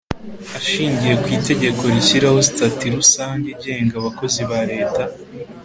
ashingiye ku itegeko rishyiraho sitati rusange igenga abakozi ba leta